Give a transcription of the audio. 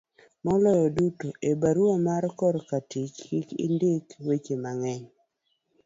moloyo duto to e barua ma korka tich kik indiki weche mang'eny